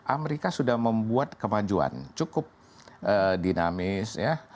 amerika sudah membuat kemajuan cukup dinamis ya